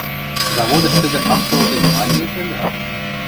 Заводыш тӹдӹ ак тол гӹнь, ма лиэш ыльы?